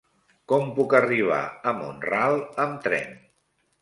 Com puc arribar a Mont-ral amb tren?